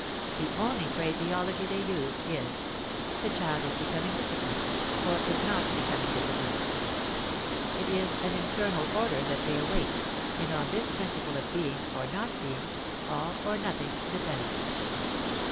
The only phraseology they use is: The child is becoming disciplined or is not becoming disciplined. It is internal order that they await; and on this principle of being or not being, all or nothing depends.